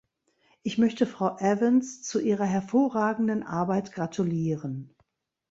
Ich möchte Frau Evans zu ihrer hervorragenden Arbeit gratulieren.